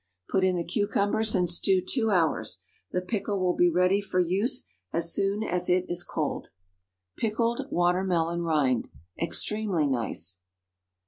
Put in the cucumbers and stew two hours. The pickle will be ready for use so soon as it is cold. PICKLED WATER MELON RIND. (_Extremely nice.